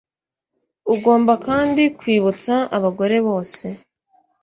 ugomba kandi kwibutsa abagore bose